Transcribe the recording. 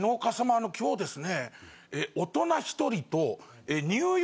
あの今日ですね。